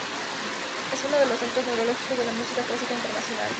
Es uno de los centros neurálgicos de la música clásica internacional.